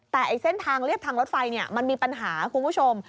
แต่เส้นทางเรียบทางรถไฟมันมีปัญหาคุณผู้ชม